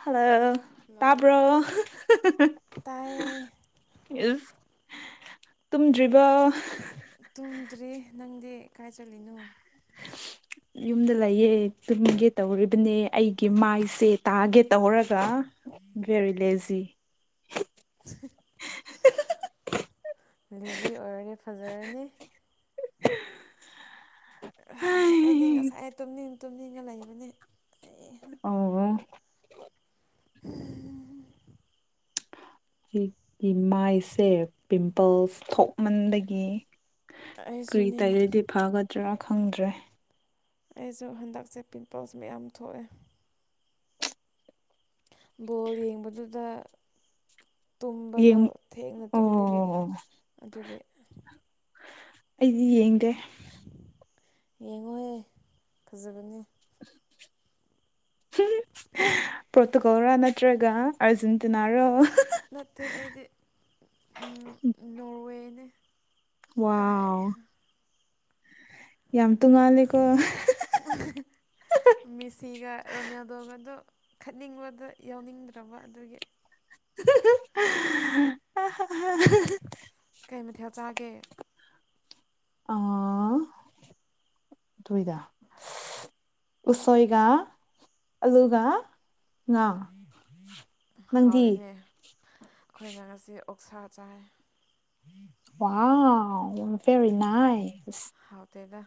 Hello hello ꯇꯥꯕ꯭ꯔꯣ ꯇꯥꯏꯌꯦ ꯏꯁ ꯇꯨꯝꯗ꯭ꯔꯤꯕ‌ꯣ ꯇꯨꯝꯗ꯭ꯔꯤ ꯅꯪꯗꯤ ꯀꯥꯏ ꯆꯠꯂꯤꯅꯣ ꯌꯨꯝꯗ ꯂꯩꯌꯦ ꯇꯨꯝꯒꯦ ꯇꯧꯔꯤꯕꯅꯦ ꯑꯩꯒꯤ ꯃꯥꯏꯁꯦ ꯇꯥꯒꯦ ꯇꯧꯔꯒ ꯕꯦꯔꯤ ꯂꯦꯖꯤ ꯂꯤꯖꯤ ꯑꯣꯏꯔꯒ ꯐꯖꯔꯅꯤ [unintelligible] ꯑꯩꯗꯤ ꯉꯁꯥꯏ ꯇꯨꯝꯅꯤꯡ ꯇꯨꯝꯅꯤꯡꯉ ꯂꯩꯕꯅꯦ ꯑꯩꯍꯥ ꯑꯣ [unintelligible] ꯑꯩꯒꯤ ꯃꯥꯏꯁꯦ ꯄꯤꯝꯄꯜꯁ ꯊꯣꯛꯃꯟꯕꯒꯤ ꯀ꯭ꯔꯤ ꯑꯩꯁꯨꯅꯦ ꯇꯩꯔꯗꯤ ꯐꯒꯗ꯭ꯔꯥ ꯈꯪꯗ꯭ꯔꯦ ꯑꯩꯁꯨ ꯍꯟꯗꯛꯁꯦ ꯄꯤꯝꯄꯜꯁ ꯃꯌꯥꯝ ꯊꯣꯛꯑꯦ ꯕꯣꯜ ꯌꯦꯡꯕꯗꯨꯗ ꯇꯨꯝꯕꯗꯣ ꯌꯦꯡ ꯊꯦꯡꯅ ꯇꯨꯝꯕꯒꯤ ꯑꯣ ꯑꯗꯨꯒꯤ ꯑꯩꯗꯤ ꯌꯦꯡꯗꯦ ꯌꯦꯡꯉꯣꯍꯦ ꯐꯖꯕꯅꯦ ꯄꯨꯣꯠꯇꯨ ꯀꯧꯔꯅ ꯅꯠꯇ꯭ꯔꯒ ꯑꯥꯔꯖꯦꯟꯇꯤꯅꯥꯔꯣ ꯅꯠꯇꯦ ꯑꯩꯗꯤ ꯅꯣꯔꯋꯦꯅ‌ꯦ ꯋꯥ ꯌꯥꯝ ꯇꯨꯡꯉꯥꯜꯂꯤꯀ‌ꯣ [unintelligible] ꯃꯤꯁꯤꯒ ꯔꯣꯅꯦꯜꯗꯣꯒꯗꯣ ꯈꯠꯅꯤꯡꯕꯗ ꯌꯥꯎꯅꯤꯡꯗ꯭ꯔꯕ ꯑꯗꯨꯒꯤ [unintelligible] ꯀꯩ ꯃꯊꯦꯜ ꯆꯥꯒꯦ ꯑ ꯇꯣꯏꯗ ꯎꯁꯣꯏꯒ ꯑꯂꯨꯒ ꯉꯥ ꯅꯪꯗꯤ ꯍꯥꯎꯋꯤꯅꯦ ꯑꯩꯈꯣꯏꯅ ꯉꯁꯤ ꯑꯣꯛꯁꯥ ꯆꯥꯏ ꯋꯥꯎ ꯕꯦꯔꯤ ꯅꯥꯏꯁ ꯍꯥꯎꯇꯦꯗ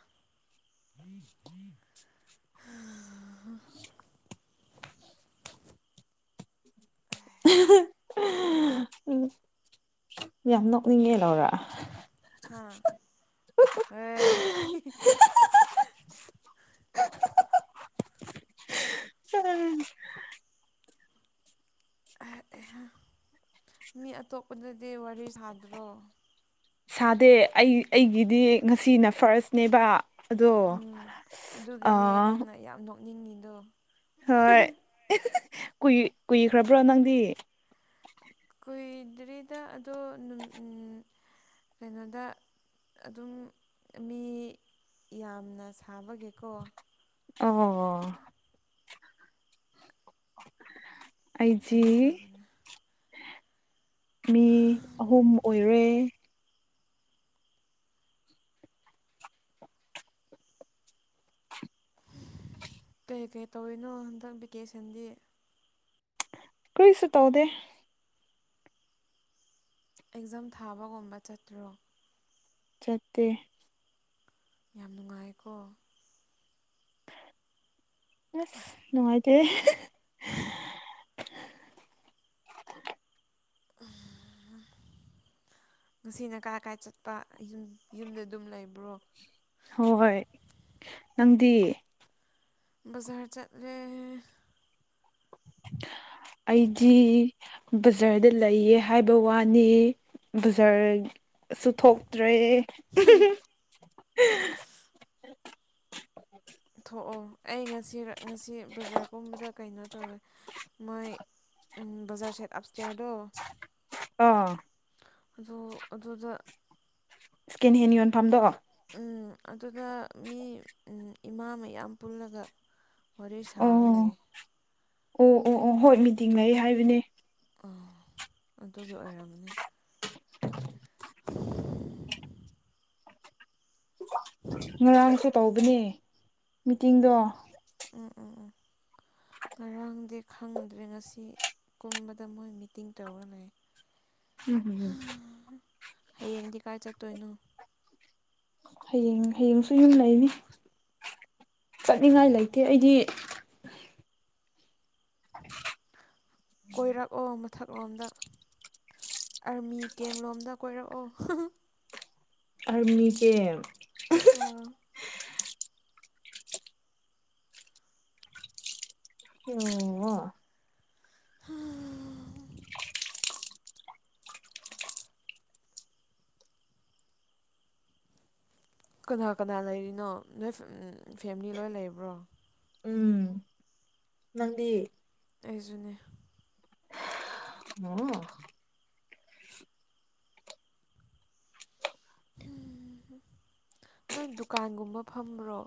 ꯎꯝ ꯌꯥꯝ ꯅꯣꯛꯅꯤꯡꯉꯦ ꯂꯧꯔ ꯍꯥꯥ [unintelligible] ꯃꯤ ꯑꯇꯣꯞꯄꯗꯗꯤ ꯋꯥꯔꯤ ꯁꯥꯗ꯭ꯔꯣ ꯁꯥꯗꯦ ꯑꯩ ꯑꯩꯒꯤꯗꯤ ꯉꯁꯤꯅ ꯐꯥꯔꯁꯅꯦꯕ ꯑꯗꯣ ꯎꯝ ꯑꯗꯨꯒꯤꯅꯦ ꯑꯥ ꯅꯪꯅ ꯌꯥꯝ ꯅꯣꯛꯅꯤꯡꯉꯤꯗꯣ ꯍꯣꯏ ꯀꯨꯏ ꯀꯨꯏꯈ꯭ꯔꯕ꯭ꯔ ꯅꯪꯗꯤ ꯀꯨꯏꯗ꯭ꯔꯤꯗ ꯑꯗꯣ ꯑꯗꯨꯝ ꯎꯝ ꯀꯩꯅꯣꯗ ꯑꯗꯨꯝ ꯃꯤ ꯌꯥꯝꯅ ꯁꯥꯕꯒꯤꯀꯣ ꯑꯣ ꯑꯩꯖꯤ ꯀꯩꯅꯣ ꯇꯧꯕꯅꯦ ꯃꯤ ꯑꯍꯨꯝ ꯑꯣꯏꯔꯦ ꯀꯩ ꯀꯩ ꯇꯧꯔꯤꯅꯣ ꯍꯟꯗꯛ ꯚꯦꯀꯦꯁꯟꯗꯤ ꯀ꯭ꯔꯤꯁꯨ ꯇꯧꯗꯦ ꯑꯦꯛꯖꯥꯝ ꯊꯥꯕꯒꯨꯝꯕ ꯆꯠꯇ꯭ꯔꯣ ꯆꯠꯇꯦ ꯌꯥꯝ ꯅꯨꯡꯉꯥꯏꯀꯣ ꯑꯁ ꯅꯨꯡꯉꯥꯏꯇꯦ [unintelligible] [unintelligible] ꯉꯁꯤꯅ ꯀꯥꯏꯀꯥꯏ ꯆꯠꯄ ꯌꯨꯝꯗ ꯑꯗꯨꯝ ꯂꯩꯕ꯭ꯔꯣ ꯍꯣꯏ ꯅꯪꯗꯤ ꯕꯖꯔ ꯆꯠꯂꯦ [inaudible] ꯑꯩꯖꯤ ꯕꯖꯥꯔꯗ ꯂꯩꯌꯦ ꯍꯥꯏꯕ ꯋꯥꯅꯤ ꯕꯖꯥꯔ ꯁꯨ ꯊꯣꯛꯇ꯭ꯔꯦ ꯊꯣꯛꯑꯣ ꯑꯩ ꯉꯁꯤ ꯉꯁꯤ ꯕꯖꯥꯔꯒꯨꯝꯕꯗ ꯀꯩꯅꯣ ꯇꯧꯋꯦ ꯃꯣꯏ ꯎꯝ ꯕꯖꯔ ꯁꯦꯠ ꯑꯞꯁꯇ꯭ꯌꯥꯔꯗꯣ ꯑꯣ ꯑꯗꯨ ꯑꯗꯨꯗ ꯏꯁꯀꯦꯟ ꯍꯦꯟ ꯌꯣꯟꯐꯝꯗꯣ ꯎꯝ ꯑꯗꯨꯗ ꯃꯤ ꯏꯃꯥ ꯃꯌꯥꯝ ꯄꯨꯜꯂꯒ ꯋꯥꯔꯤ ꯁꯥꯔ ꯂꯩ ꯑꯣ ꯑꯣ ꯑꯣ ꯍꯣꯏ ꯃꯤꯇꯤꯡ ꯂꯩ ꯍꯥꯏꯕꯅꯦ ꯑꯣ ꯑꯗꯨꯒꯤ ꯑꯣꯏꯔꯝꯃꯅꯤ [inaudible] ꯉꯔꯥꯡꯁꯨ ꯇꯧꯕꯅꯦ ꯃꯤꯇꯤꯡꯗꯣ ꯎꯝ ꯎꯝ ꯎꯝ ꯉꯔꯥꯡꯗꯤ ꯈꯪꯗ꯭ꯔꯦ ꯉꯁꯤ ꯀꯨꯝꯕꯗ ꯃꯣꯏ ꯃꯤꯇꯤꯡ ꯇꯧꯔ ꯂꯩ ꯎꯝ ꯍꯌꯦꯡꯗꯤ ꯀꯥꯏ ꯆꯠꯇꯣꯏꯅꯣ꯫ ꯍꯌꯦꯡ ꯍꯌꯦꯡꯁꯨ ꯌꯨꯝ ꯂꯩꯅꯤ ꯆꯠꯅꯤꯡꯉꯥꯏ ꯂꯩꯇꯦ ꯑꯩꯗꯤ ꯀꯣꯏꯔꯛꯑꯣ ꯃꯊꯛꯂꯣꯝꯗ꯫ ꯑꯥꯔꯃꯤ ꯀꯦꯝꯂꯣꯝꯗ ꯀꯣꯏꯔꯛꯑꯣ꯫ ꯑꯥꯔꯃꯤ ꯀꯦꯝ꯫ ꯑꯥ꯫ [inaudible] [unintelligible] ꯀꯅꯥ ꯀꯅꯥ ꯂꯩꯔꯤꯅꯣ ꯅꯣꯏ ꯐꯦꯝ ꯐꯦꯃꯤꯂꯤ ꯂꯣꯏ ꯂꯩꯕ꯭ꯔꯣ꯫ ꯎꯝ꯫ ꯅꯪꯗꯤ꯫ ꯑꯩꯁꯨꯅꯦ꯫ [unintelligible] ꯅꯪ ꯗꯨꯀꯥꯟꯒꯨꯝꯕ ꯐꯝꯕ꯭ꯔꯣ꯫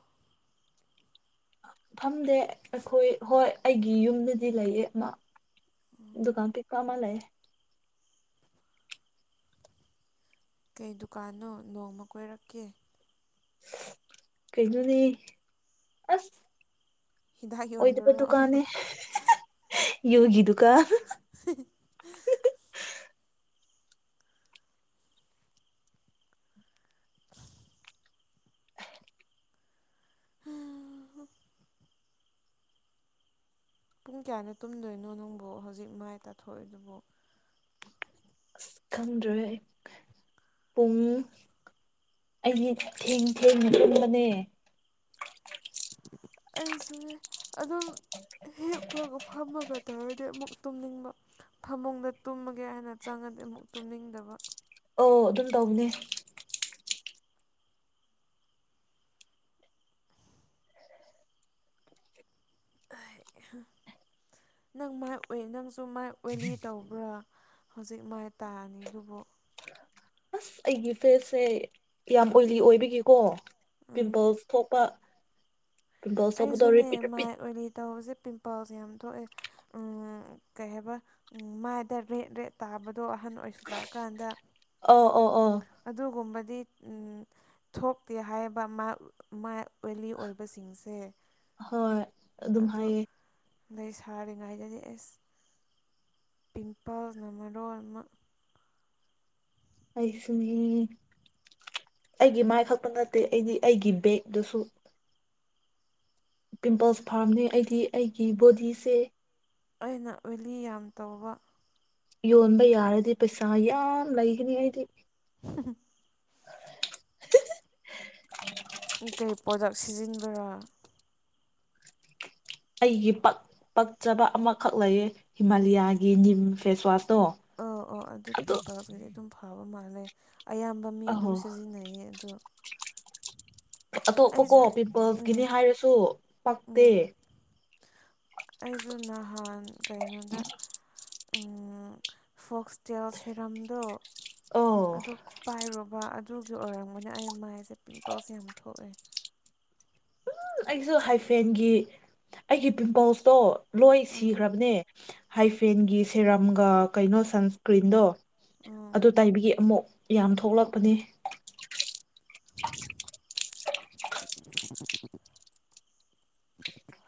ꯐꯝꯗꯦ ꯑꯩꯈꯣꯏ ꯍꯣꯏ ꯑꯩꯒꯤ ꯌꯨꯝꯗꯗꯤ ꯂꯩꯌꯦ ꯑꯃ ꯗꯨꯀꯥꯟ ꯀꯩ ꯑꯃ ꯂꯩꯌꯦ꯫ ꯀꯩ ꯗꯨꯀꯥꯟꯅꯣ ꯅꯣꯡꯃ ꯀꯣꯏꯔꯛꯀꯦ꯫ ꯀꯩꯩꯅꯣꯅꯦ ꯑꯁ ꯍꯤꯗꯥꯛ ꯑꯣꯏꯗꯕ ꯌꯣꯟꯕꯔꯣ ꯗꯨꯀꯥꯟꯅꯦ ꯌꯨꯒꯤ ꯗꯨꯀꯥꯟ꯫ [unintelligible] [inaudible] [unintelligible] ꯄꯨꯡ ꯀꯌꯥꯅ ꯇꯨꯝꯗꯣꯏꯅꯣ ꯅꯪꯕꯨ ꯍꯧꯖꯤꯛ ꯃꯥꯏ ꯇꯥꯊꯣꯛꯏꯗꯨꯕꯨ꯫ ꯈꯪꯗ꯭ꯔꯦ ꯑꯩ꯫ ꯄꯨꯡ ꯑꯩꯗꯤ ꯊꯦꯡ ꯊꯦꯡꯅ ꯇꯨꯝꯕꯅꯦ꯫ ꯑꯩꯁꯨꯅꯦ ꯑꯗꯨꯝ ꯍꯤꯞꯄꯒ ꯐꯝꯃꯒ ꯇꯧꯔꯗꯤ ꯑꯃꯨꯛ ꯇꯨꯝꯅꯤꯡꯕ ꯐꯃꯨꯡꯗ ꯇꯨꯝꯃꯒꯦ ꯍꯥꯏꯅ ꯆꯪꯉꯗꯤ ꯑꯃꯨꯛ ꯇꯨꯝꯅꯤꯡꯗꯕ꯫ ꯑꯣ ꯑꯗꯨꯝ ꯇꯧꯕꯅꯦ꯫ ꯅꯪ ꯃꯥꯏ ꯑꯣꯏ ꯅꯪꯁꯨ ꯃꯥꯏ ꯑꯣꯏꯂꯤ ꯇꯧꯕ꯭ꯔꯥ꯫ ꯍꯧꯖꯤꯛ ꯃꯥꯏ ꯇꯥꯅꯤ ꯗꯨꯕꯨ꯫ ꯑꯁ ꯑꯩꯒꯤ ꯐꯦꯁꯁꯦ ꯌꯥꯝ ꯑꯣꯏꯂꯤ ꯑꯣꯏꯕꯒꯤꯀꯣ ꯎꯝ ꯄꯤꯝꯄꯜꯁ ꯊꯣꯛꯄ꯫ ꯄꯤꯝꯄꯜꯁ ꯊꯣꯛꯄꯗꯣ ꯑꯩꯁꯨꯅꯦ ꯔꯤꯄꯤꯠ ꯔꯤꯄꯤꯠ ꯃꯥꯏ ꯑꯣꯏꯂꯤ ꯇꯧꯕꯁꯦ ꯄꯤꯝꯄꯜꯁ ꯌꯥꯝ ꯊꯣꯛꯑꯦ꯫ ꯎꯝ ꯀꯩ ꯍꯥꯏꯕ ꯃꯥꯏꯗ ꯔꯦꯠ ꯔꯦꯠ ꯇꯥꯕꯗꯣ ꯑꯍꯟ ꯑꯣꯏꯁꯤꯜꯂꯛꯑꯀꯥꯟꯗ꯫ ꯑꯣ ꯑꯣ ꯑꯣ꯫ ꯑꯗꯨꯒꯨꯝꯕꯗꯤ ꯎꯝ ꯊꯣꯛꯇꯦ ꯍꯥꯏꯌꯦꯕ ꯃꯥ ꯃꯥꯥꯏ ꯑꯣꯏꯂꯤ ꯑꯣꯏꯕꯁꯤꯡꯁꯦ꯫ ꯍꯣꯏ꯫ ꯑꯗꯨꯝ ꯑꯗꯨ ꯍꯥꯏꯌꯦ ꯂꯩꯁꯥꯔꯤꯉꯩꯗꯗꯤ ꯑꯦꯁ ꯄꯤꯝꯄꯜꯁꯅ ꯃꯔꯣꯟ ꯑꯃ꯫ ꯑꯩꯁꯨꯅꯤ ꯑꯩꯒꯤ ꯃꯥꯏ ꯈꯛꯇ ꯅꯠꯇꯦ ꯑꯩꯗꯤ ꯑꯩꯒꯤ ꯕꯦꯒꯗꯨꯁꯨ꯫ ꯄꯤꯝꯄꯜꯁ ꯐꯥꯔꯝꯅꯦ ꯑꯩꯗꯤ ꯑꯩꯒꯤ ꯕꯣꯗꯤꯁꯦ꯫ ꯑꯩꯅ ꯑꯣꯏꯂꯤ ꯌꯥꯝ ꯇꯧꯕ꯫ ꯌꯣꯟꯕ ꯌꯥꯔꯗꯤ ꯄꯩꯁꯥ ꯌꯥꯝ ꯂꯩꯒꯅꯤ ꯑꯩꯗꯤ꯫ [unintelligible] [unintelligible] ꯅꯪ ꯀꯩ ꯄꯣꯗꯛ ꯁꯤꯖꯤꯟꯕꯔꯥ ꯑꯩꯒꯤ ꯄꯛ ꯄꯛꯆꯕ ꯑꯃꯈꯛ ꯂꯩꯌꯦ ꯍꯤꯃꯥꯂꯤꯌꯥꯒꯤ ꯅꯤꯝ ꯐꯦꯁꯋꯥꯁꯇꯣ ꯑꯣ ꯑꯣ ꯑꯗꯨ ꯄꯤꯝꯄꯜꯁꯀꯤ ꯑꯗꯨꯝ ꯐꯥꯕ ꯃꯥꯜꯂꯦ ꯑꯌꯥꯝꯕ ꯃꯤ ꯑꯗꯨꯝ ꯑꯍꯣ ꯁꯤꯖꯤꯟꯅꯩꯌꯦ ꯑꯗꯣ ꯑꯇꯣꯞꯄꯀꯣ ꯑꯩꯁꯨ ꯎꯝ ꯄꯤꯝꯄꯜꯁꯀꯤꯅꯦ ꯍꯥꯏꯔꯁꯨ ꯄꯛꯇꯦ ꯎꯝ ꯑꯩꯁꯨ ꯅꯍꯥꯟ ꯀꯩꯅꯣꯗ ꯑꯥ ꯐꯣꯛꯁꯇꯦꯜ ꯁꯦꯔꯝꯗꯣ ꯑꯣ ꯑꯗꯨ ꯄꯥꯏꯔꯣꯕ ꯑꯗ ꯗꯨꯒꯤ ꯑꯣꯏꯔꯝꯒꯅ ꯑꯩ ꯃꯥꯏꯁꯦ ꯄꯤꯝꯄꯜꯁ ꯌꯥꯝ ꯊꯣꯛꯑꯦ ꯑꯩꯁꯨ ꯍꯥꯏꯐꯦꯟꯒꯤ ꯑꯩꯒꯤ ꯄꯤꯝꯄꯜꯁꯇꯣ ꯂꯣꯏ ꯎꯝ ꯁꯤꯈ꯭ꯔꯕꯅꯦ ꯍꯥꯏꯐꯦꯟꯒꯤ ꯁꯦꯔꯝꯒ ꯀꯩꯅꯣ ꯁꯟꯁꯀ꯭ꯔꯤꯟꯗꯣ ꯎꯝ ꯑꯗꯨ ꯇꯩꯕꯒꯤ ꯑꯃꯨꯛ ꯌꯥꯝ ꯊꯣꯛꯂꯛꯄꯅꯦ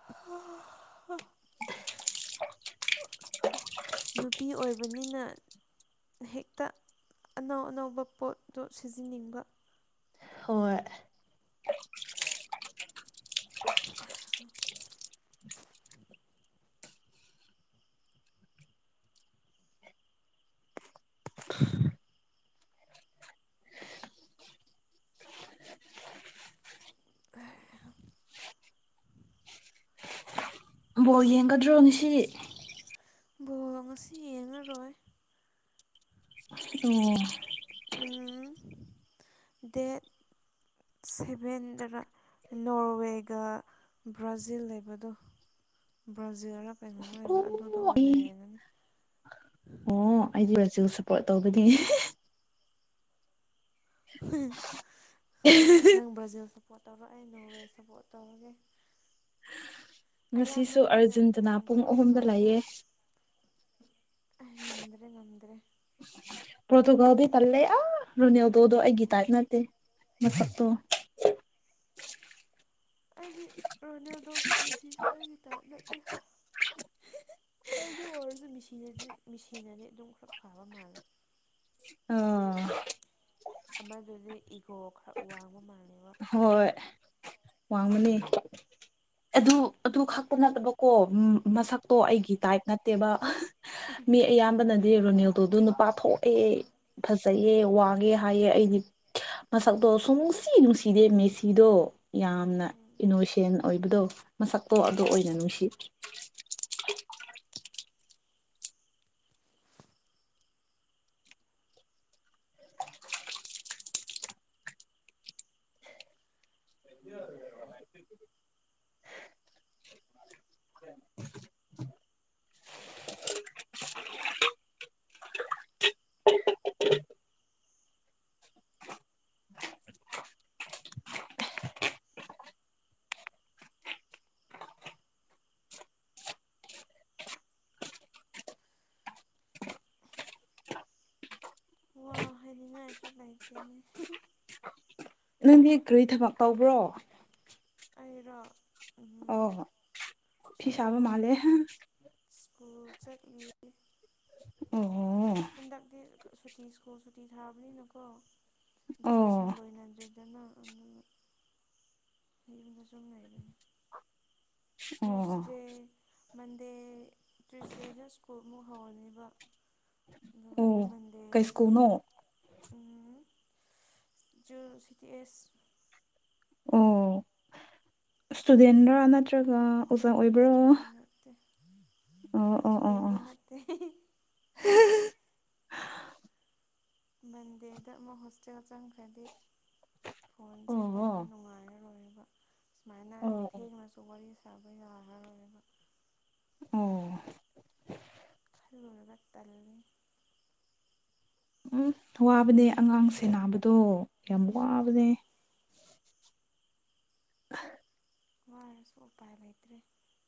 ꯍꯥ ꯍ ꯅꯨꯄꯤ ꯑꯣꯏꯕꯅꯤꯅ ꯍꯦꯛꯇ ꯑꯅꯧ ꯑꯅꯧꯕ ꯄꯣꯠꯇꯣ ꯁꯤꯖꯤꯟꯅꯤꯡꯕ ꯍꯣꯏ ꯑꯥ ꯑꯍꯝ ꯕꯣꯜ ꯌꯦꯡꯒꯗ꯭ꯔꯣ ꯉꯁꯤ ꯕꯣꯜꯒ ꯉꯁꯤ ꯌꯦꯡꯉꯔꯣꯏ [unintelligible] ꯑꯣ ꯎꯝ ꯗꯦꯠ ꯁꯦꯚꯦꯟꯗꯔ ꯅꯣꯔꯋꯦꯒ ꯕ꯭ꯔꯥꯖꯤꯜ ꯂꯩꯕꯗꯣ ꯕ꯭ꯔꯥꯖꯤꯜꯔ ꯀꯩꯅꯣꯝꯃ ꯂꯩꯕ ꯑꯗꯨꯗꯣ ꯑꯣ ꯑꯩ ꯑꯣꯏꯅ ꯌꯦꯡꯉꯅꯤ ꯑꯣ ꯑꯩꯗꯤ ꯔꯖꯤꯜ ꯁꯞꯄꯣꯔꯠ ꯇꯧꯕꯅꯤ ꯍꯦ [unintelligible] ꯅꯪ ꯕ꯭ꯔꯥꯖꯤꯜ ꯁꯞꯄꯣꯔꯠ ꯇꯧꯔꯣ ꯑꯩ ꯅꯣꯔꯋꯦ ꯁꯞꯄꯣꯔꯠ ꯇꯧꯔꯒꯦ ꯑꯌꯥꯝꯕ ꯉꯁꯤꯁꯨ ꯃꯤꯅ ꯎꯝ ꯑꯥꯔꯖꯦꯟꯇꯤꯅꯥ ꯄꯨꯡ ꯑꯍꯨꯝꯗ ꯄꯣꯔꯇꯨꯒꯜꯗ ꯂꯩꯌꯦ ꯑꯩ ꯉꯝꯗ꯭ꯔꯦ ꯉꯝꯗ꯭ꯔꯦ ꯄ꯭ꯔꯣꯇꯨꯒꯜꯗꯤ ꯇꯜꯂꯦ ꯑꯥ ꯔꯣꯅꯦꯜꯗꯣꯗꯣ ꯑꯩꯒꯤ ꯇꯥꯏꯞ ꯅꯠꯇꯦ ꯃꯁꯛꯇꯣ ꯑꯩꯗꯤ ꯔꯣꯅꯦꯜꯗꯣꯁꯨ ꯃꯤꯁꯤꯁꯨ ꯑꯩꯒꯤ ꯇꯥꯏꯞ ꯅꯠꯇꯦ ꯑꯗꯨ ꯑꯣꯏꯔꯁꯨ ꯃꯦꯁꯤꯅꯗꯤ ꯃꯦꯁꯤꯅꯗꯤ ꯑꯗꯨꯝ ꯈꯔ ꯐꯕ ꯃꯥꯜꯂꯦ ꯑ ꯑꯃꯗꯨꯗꯤ ꯏꯒꯣ ꯈꯔ ꯋꯥꯡꯕ ꯃꯥꯜꯂꯦꯕ ꯍꯣꯏ ꯋꯥꯡꯕꯅꯦ ꯑꯗꯨ ꯑꯗꯨ ꯈꯛꯇ ꯅꯠꯇꯕꯀꯣ ꯃꯁꯛ ꯇꯣ ꯎꯝ ꯑꯩꯒꯤ ꯇꯥꯏꯞ ꯅꯠꯇꯦꯕ ꯑꯍꯥ ꯃꯤ ꯑꯌꯥꯝꯕꯅꯗꯤ ꯔꯣꯅꯦꯜꯗꯣꯗꯣ ꯅꯨꯄꯥ ꯊꯣꯛ ꯑꯦ ꯐꯖꯩꯌꯦ ꯋꯥꯡꯉꯦ ꯍꯥꯏꯌꯦ ꯑꯩꯗꯤ ꯃꯁꯛꯇꯣ ꯁꯨꯡꯁꯤ ꯅꯨꯡꯁꯤ ꯏꯗꯦ ꯃꯦꯁꯤꯗꯣ ꯌꯥꯝꯅ ꯎꯝ ꯏꯅꯣꯁꯦ ꯑꯦꯟ ꯑꯣꯏꯕꯗꯣ ꯃꯁꯛꯇꯣ ꯑꯗꯨ ꯑꯣꯏꯅ ꯅꯨꯡꯁꯤ ꯍꯝ ꯍꯝ [inaudible] [unintelligible] ꯋꯥ ꯍꯥꯏꯅꯤꯡꯉꯥꯏꯁꯨ ꯂꯩꯇꯦꯅꯦ ꯍꯦ ꯍꯦ ꯅꯪꯗꯤ ꯀꯔꯤ ꯊꯕꯛ ꯇꯧꯕ꯭ꯔꯣ ꯑꯩꯔꯣ ꯎꯝ ꯑꯧ ꯐꯤ ꯁꯥꯕ ꯁ꯭ꯀꯨꯜ ꯃꯥꯜꯂꯦ ꯁ꯭ꯀꯨꯜ ꯆꯠꯂꯤ ꯑꯣ ꯍꯣ ꯍꯟꯗꯛꯇꯤ ꯁꯨꯇꯤ ꯁ꯭ꯀꯨꯜ ꯁꯨꯇꯤ ꯊꯥꯕꯅꯤꯅꯀꯣ ꯚꯦꯀꯦꯁꯟ ꯑꯣ ꯂꯣꯏꯅꯗ꯭ꯔꯤꯗꯅ ꯑꯗꯨꯒꯤ ꯌꯨꯝꯗ ꯁꯨꯝ ꯂꯩꯕꯅꯤ ꯑꯣ ꯇ꯭ꯔꯨꯏꯁꯗꯦ ꯃꯟꯗꯦ ꯇꯨꯏꯁꯗꯦꯗ ꯁ꯭ꯀꯨꯜꯃꯨꯛ ꯍꯧꯔꯅꯤꯕ ꯑꯣ [inaudible] ꯀꯩ ꯕꯟꯗꯦꯗꯗꯤ ꯁ꯭ꯀꯨꯜꯅꯣ ꯎꯝ ꯖꯜ ꯁꯤꯇꯤ ꯑꯦꯁ ꯑꯣ ꯏꯁꯇꯨꯗꯦꯟꯔꯥ ꯅꯠꯇ꯭ꯔꯒ ꯑꯣꯖꯥ ꯅꯠꯇꯦ ꯑꯣꯏꯕ꯭ꯔꯣ ꯏꯁꯇꯨꯗꯦꯟ ꯅꯠꯇꯦ ꯑꯣ ꯑꯣ ꯑꯣ ꯏꯁꯇꯨꯗꯦꯟꯗꯤ ꯅꯠꯇꯦ ꯍꯤ ꯍꯤ [unintelligible] ꯃꯟꯗꯦꯗ ꯑꯃꯨꯛ ꯍꯣꯁꯇꯦꯜ ꯆꯪꯈ꯭ꯔꯗꯤ ꯑꯣ ꯐꯣꯟꯁꯦ ꯄꯥꯏꯕ ꯑꯣ ꯅꯨꯡꯉꯥꯏꯔꯔꯣꯏꯕ ꯁꯨꯃꯥꯏꯅ ꯑꯣ ꯑꯣ ꯊꯦꯡꯔꯁꯨ ꯋꯥꯔꯤ ꯁꯥꯕ ꯌꯥꯔꯔꯣꯏꯕ ꯎꯝ ꯍꯜꯂꯣꯏꯔꯒ ꯇꯜꯂꯤ ꯎꯝ ꯋꯥꯕꯅꯦ ꯑꯉꯥꯡ ꯁꯦꯟꯅꯕꯗꯨ ꯌꯥꯝ ꯎꯝ ꯋꯥꯕꯅꯦ ꯋꯥꯔꯁꯨ ꯎꯄꯥꯏ ꯂꯩꯇ꯭ꯔꯦ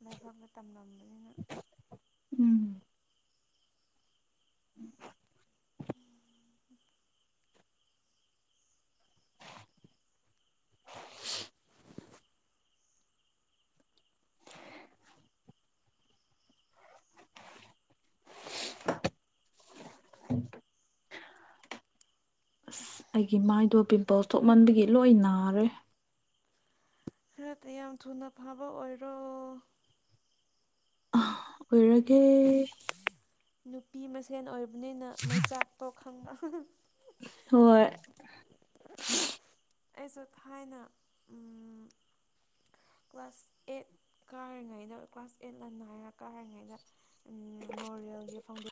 ꯂꯩꯕꯛꯇ ꯇꯝꯂꯝꯕꯅꯤꯅ ꯎꯝ [inaudible] [inaudible] [unintelligible] ꯏꯁ ꯑꯩꯒꯤ ꯃꯥꯏꯗꯣ ꯄꯤꯝꯄꯜꯁ ꯊꯣꯛꯃꯟꯕꯒꯤ ꯂꯣꯏ ꯅꯥꯔꯦ ꯈꯔꯀ ꯌꯥꯝ ꯊꯨꯅ ꯐꯥꯕ ꯑꯣꯏꯔꯣ ꯑꯣꯏꯔꯒꯦ ꯅꯨꯄꯤ ꯃꯁꯦꯟ ꯑꯣꯏꯕꯅꯤꯅ ꯃꯩꯆꯥꯛꯇꯣ ꯈꯪꯔ ꯑꯍ ꯍꯣꯏ ꯑꯩꯁꯨ ꯊꯥꯏꯅ ꯎꯝ ꯀ꯭ꯂꯥꯁ ꯑꯦꯠ ꯀꯥꯔꯤꯉꯩꯗ ꯀ꯭ꯂꯥꯁ ꯑꯦꯠ ꯂꯥ ꯅꯥꯏꯟꯔꯥ ꯀꯥꯔꯤꯉꯩꯗ ꯎꯝ ꯂꯣꯔꯦꯜꯒꯤ ꯐꯥꯎꯟꯗꯦ